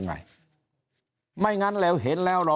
ก็มาเมืองไทยไปประเทศเพื่อนบ้านใกล้เรา